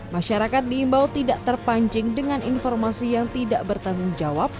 masyarakat diimbau tidak terpancing dengan informasi yang tidak bertanggungjawab